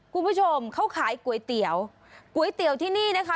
คุณผู้ชมเขาขายก๋วยเตี๋ยวก๋วยเตี๋ยวที่นี่นะคะ